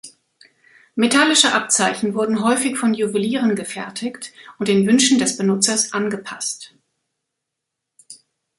Metallische Abzeichen wurden häufig von Juwelieren gefertigt und den Wünschen des Benutzers angepasst.